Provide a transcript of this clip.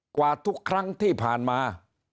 กว่าทุกครั้งที่ผ่านมา